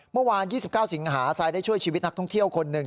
เมื่อวาน๒๙สิงหาซายได้ช่วยชีวิตนักท่องเที่ยวคนหนึ่ง